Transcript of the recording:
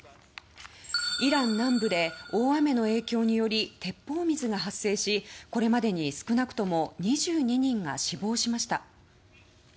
イラン南部で大雨の影響により鉄砲水が発生しこれまでに少なくとも２２人が死亡しました。